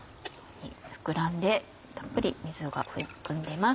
膨らんでたっぷり水を含んでいます。